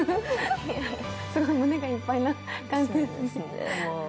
胸がいっぱいな感じですか？